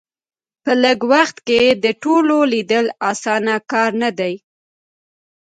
په لږ وخت کې د ټولو لیدل اسانه کار نه دی.